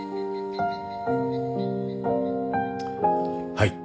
はい。